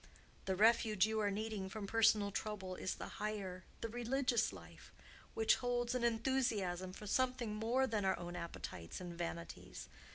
The refuge you are needing from personal trouble is the higher, the religious life, which holds an enthusiasm for something more than our own appetites and vanities.